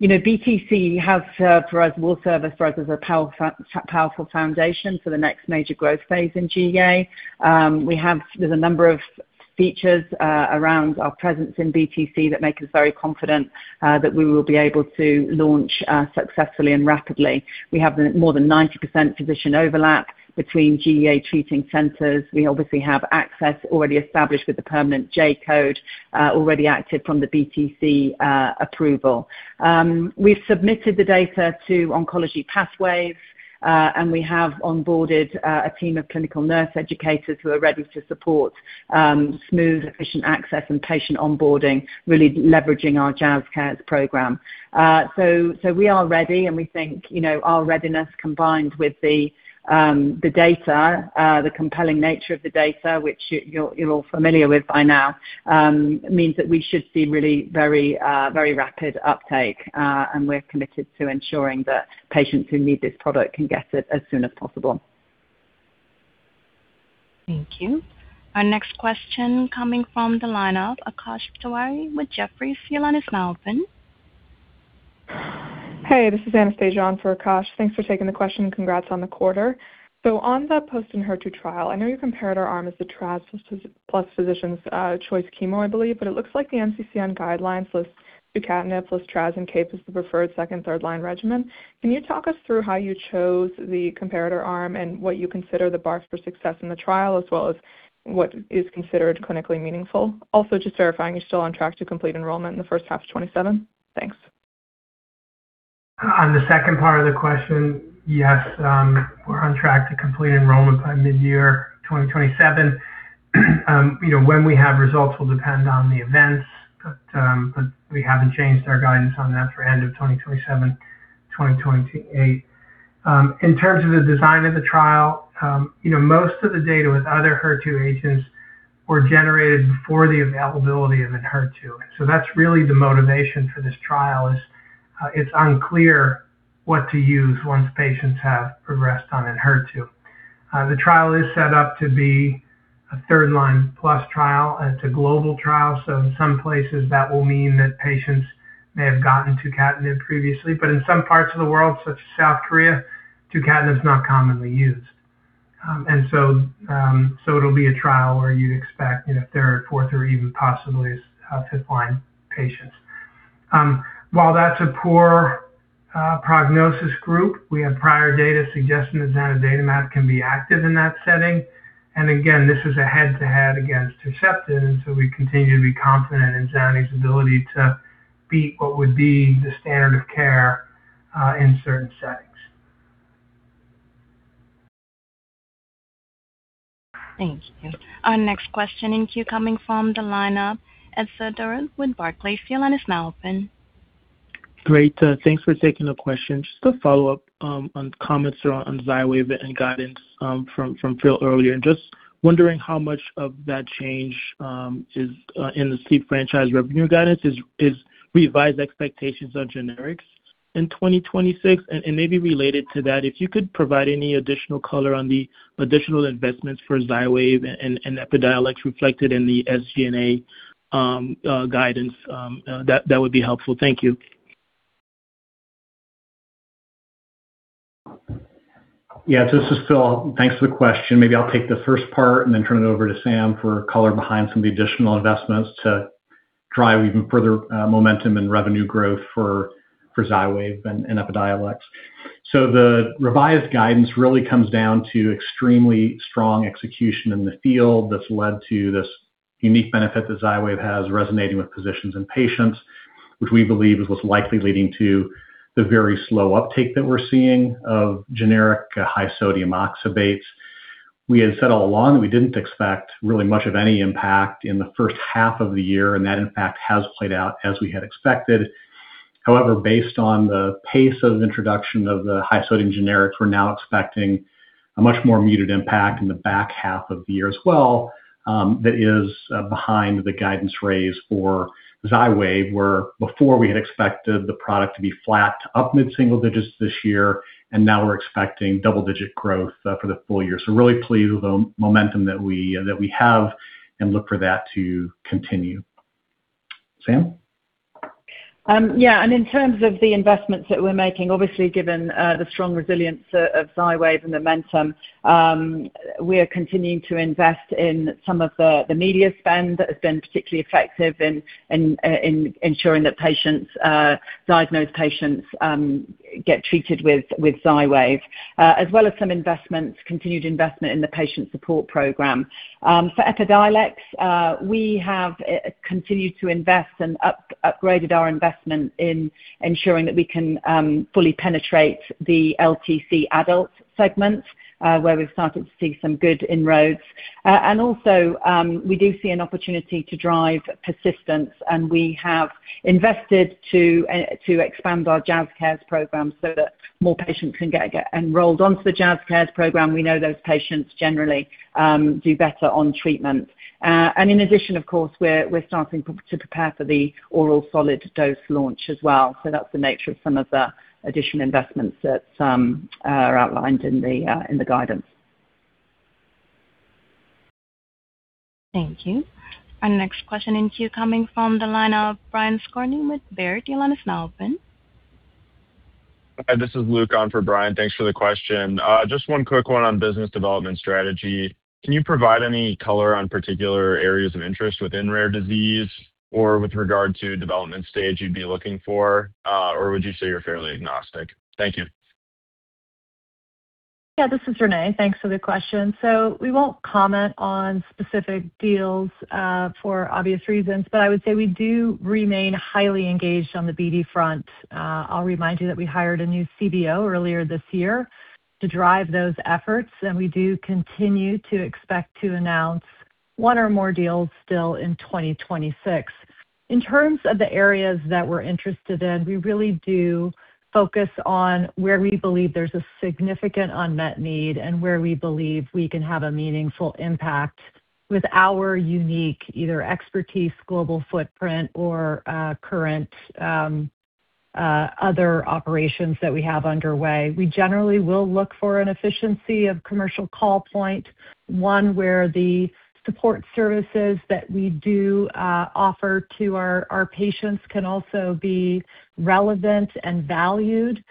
BTC will serve as a powerful foundation for the next major growth phase in GEA. There's a number of features around our presence in BTC that make us very confident that we will be able to launch successfully and rapidly. We have more than 90% physician overlap between GEA treating centers. We obviously have access already established with the permanent J-code already active from the BTC approval. We've submitted the data to Oncology Pathways, we have onboarded a team of clinical nurse educators who are ready to support smooth, efficient access and patient onboarding, really leveraging our JazzCares program. We are ready, we think our readiness combined with the data, the compelling nature of the data which you're all familiar with by now, means that we should see really very rapid uptake. We're committed to ensuring that patients who need this product can get it as soon as possible. Thank you. Our next question coming from the line of Akash Tewari with Jefferies. Your line is now open. Hey, this is Anastasia on for Akash. Thanks for taking the question, and congrats on the quarter. On the post-Enhertu trial, I know you compared our arm as the trastuzumab plus physician's choice chemo, I believe, but it looks like the NCCN guidelines list tucatinib plus trastuzumab and capecitabine as the preferred second, third-line regimen. Can you talk us through how you chose the comparator arm and what you consider the bar for success in the trial, as well as what is considered clinically meaningful? Also, just verifying you're still on track to complete enrollment in the first half of 2027? Thanks. On the second part of the question, yes. We're on track to complete enrollment by mid-year 2027. When we have results will depend on the events, but we haven't changed our guidance on that for end of 2027, 2028. In terms of the design of the trial, most of the data with other HER2 agents were generated before the availability of Enhertu. That's really the motivation for this trial is, it's unclear what to use once patients have progressed on Enhertu. The trial is set up to be a third-line plus trial. It's a global trial, in some places that will mean that patients may have gotten tucatinib previously. In some parts of the world, such as South Korea, tucatinib is not commonly used. It'll be a trial where you'd expect third-line, fourth-line, or even possibly fifth-line patients. While that's a poor prognosis group, we have prior data suggesting that zanidatamab can be active in that setting. Again, this is a head-to-head against trastuzumab, so we continue to be confident in zani's ability to beat what would be the standard of care in certain settings. Thank you. Our next question in queue coming from the line of Etzer Darout with Barclays. Your line is now open. Great. Thanks for taking the question. Just a follow-up on comments around XYWAV and guidance from Phil earlier. Just wondering how much of that change in the sleep franchise revenue guidance is revised expectations on generics in 2026? Maybe related to that, if you could provide any additional color on the additional investments for XYWAV and Epidiolex reflected in the SG&A guidance that would be helpful. Thank you. Yeah. This is Phil. Thanks for the question. Maybe I'll take the first part, then turn it over to Sam for color behind some of the additional investments to drive even further momentum and revenue growth for XYWAV and Epidiolex. The revised guidance really comes down to extremely strong execution in the field that's led to this unique benefit that XYWAV has resonating with physicians and patients, which we believe is what's likely leading to the very slow uptake that we're seeing of generic high sodium oxybates. We had said all along that we didn't expect really much of any impact in the first half of the year, that impact has played out as we had expected. However, based on the pace of introduction of the high sodium generics, we're now expecting a much more muted impact in the back half of the year as well. That is behind the guidance raise for XYWAV, where before we had expected the product to be flat to up mid-single digits this year, and now we're expecting double-digit growth for the full year. Really pleased with the momentum that we have and look for that to continue. Sam? Yeah. In terms of the investments that we're making, obviously given the strong resilience of XYWAV and momentum, we are continuing to invest in some of the media spend that has been particularly effective in ensuring that diagnosed patients get treated with XYWAV, as well as some continued investment in the patient support program. For Epidiolex, we have continued to invest and upgraded our investment in ensuring that we can fully penetrate the LTC adult segment where we've started to see some good inroads. Also, we do see an opportunity to drive persistence, and we have invested to expand our JazzCares program so that more patients can get enrolled onto the JazzCares program. We know those patients generally do better on treatment. In addition, of course, we're starting to prepare for the oral solid dose launch as well. That's the nature of some of the additional investments that are outlined in the guidance. Thank you. Our next question in queue coming from the line of Brian Skorney with Baird. Your line is now open. Hi, this is Luke on for Brian. Thanks for the question. Just one quick one on business development strategy. Can you provide any color on particular areas of interest within rare disease or with regard to development stage you'd be looking for? Or would you say you're fairly agnostic? Thank you. Yeah. This is Renée. Thanks for the question. We won't comment on specific deals for obvious reasons, but I would say we do remain highly engaged on the BD front. I'll remind you that we hired a new CBO earlier this year to drive those efforts, and we do continue to expect to announce one or more deals still in 2026. In terms of the areas that we're interested in, we really do focus on where we believe there's a significant unmet need and where we believe we can have a meaningful impact with our unique, either expertise, global footprint, or current other operations that we have underway. We generally will look for an efficiency of commercial call point, one where the support services that we do offer to our patients can also be relevant and valued.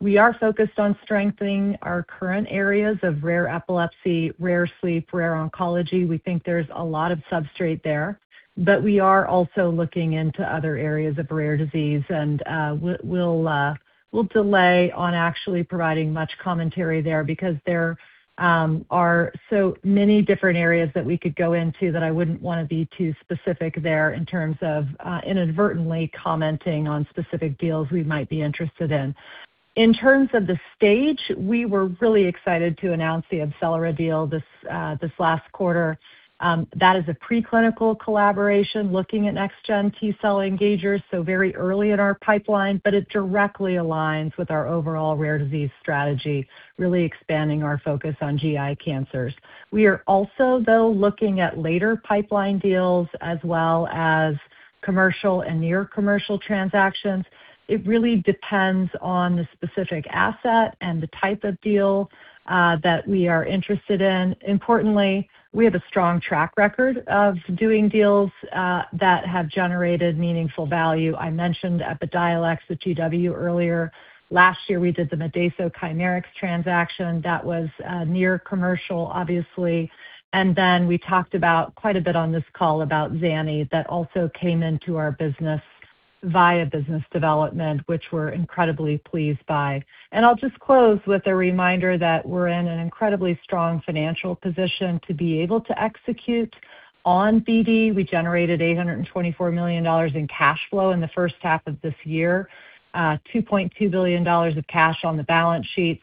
We are focused on strengthening our current areas of rare epilepsy, rare sleep, rare oncology. We think there's a lot of substrate there, but we are also looking into other areas of rare disease, and we'll delay on actually providing much commentary there because there are so many different areas that we could go into that I wouldn't want to be too specific there in terms of inadvertently commenting on specific deals we might be interested in. In terms of the stage, we were really excited to announce the AbCellera deal this last quarter. That is a preclinical collaboration looking at next-gen T-cell engagers, very early in our pipeline, but it directly aligns with our overall rare disease strategy, really expanding our focus on GI cancers. We are also, though, looking at later pipeline deals as well as commercial and near commercial transactions. It really depends on the specific asset and the type of deal that we are interested in. Importantly, we have a strong track record of doing deals that have generated meaningful value. I mentioned Epidiolex with GW earlier last year. We did the Modeyso Chimerix transaction that was near commercial, obviously. We talked about quite a bit on this call about zani that also came into our business via business development, which we're incredibly pleased by. I'll just close with a reminder that we're in an incredibly strong financial position to be able to execute on BD. We generated $824 million in cash flow in the first half of this year. $2.2 billion of cash on the balance sheet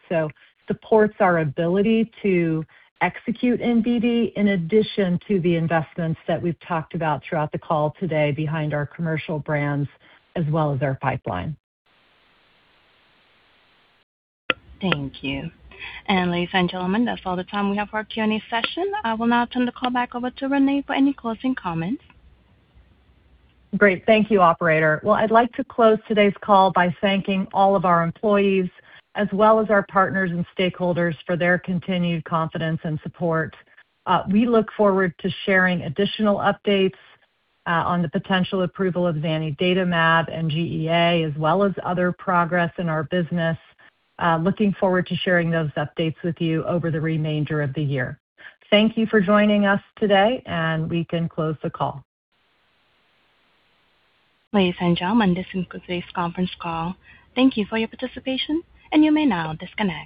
supports our ability to execute in BD, in addition to the investments that we've talked about throughout the call today behind our commercial brands as well as our pipeline. Thank you. Ladies and gentlemen, that's all the time we have for our Q&A session. I will now turn the call back over to Renée for any closing comments. Great. Thank you, operator. I'd like to close today's call by thanking all of our employees as well as our partners and stakeholders for their continued confidence and support. We look forward to sharing additional updates on the potential approval of zanidatamab and GEA, as well as other progress in our business. Looking forward to sharing those updates with you over the remainder of the year. Thank you for joining us today, we can close the call. Ladies and gentlemen, this concludes today's conference call. Thank you for your participation, you may now disconnect.